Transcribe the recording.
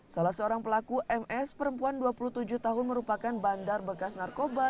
salah seorang pelaku ms perempuan dua puluh tujuh tahun merupakan bandar bekas narkoba